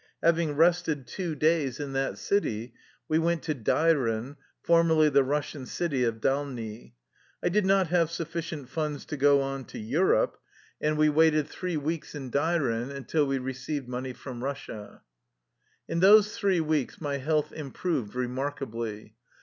Having rested two days in that city, we went to Dairen, for merly the Russian city of Dalny. I did not have sufficient funds to go on to Europe, and we 237 THE LIFE STOKY OF A EUSSIAN EXILE waited three weeks in Dairen, until we received money from Kussia. In those three weeks my health improved re markably.